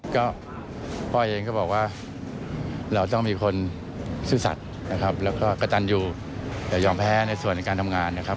ก็พ่อเองก็บอกว่าเราต้องมีคนซื่อสัตว์นะครับแล้วก็กระตันอยู่แต่ยอมแพ้ในส่วนในการทำงานนะครับ